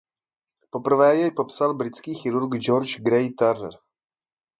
Poprvé jej popsal britský chirurg George Grey Turner.